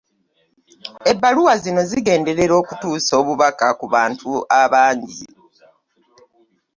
Ebbaluwa zino zigenderera okutuusa obubaka ku bantu abangi.